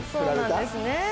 そうなんですね。